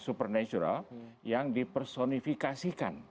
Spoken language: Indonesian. supernatural yang dipersonifikasikan